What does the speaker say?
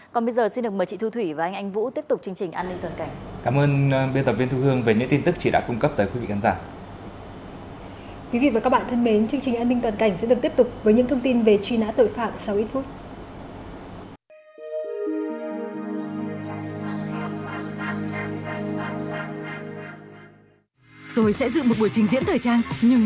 còn bây giờ xin được mời chị thu thủy và anh anh vũ tiếp tục chương trình an ninh tuần cảnh